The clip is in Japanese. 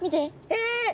え！？